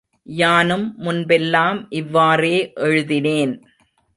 யானும் முன்பெல்லாம் இவ்வாறே எழுதினேன்.